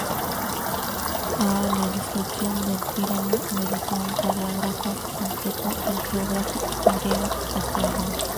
A la descripción del Píramo dedica un parágrafo completo el geógrafo griego Estrabón.